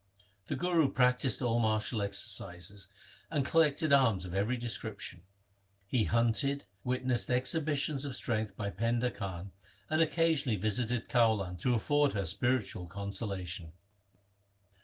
The Guru practised all martial exercises and col lected arms of every description. He hunted, witnessed exhibitions of strength by Painda Khan, and occasionally visited Kaulan to afford her spiritual consolation.